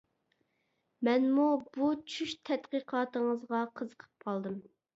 مەنمۇ بۇ چۈش تەتقىقاتىڭىزغا قىزىقىپ قالدىم.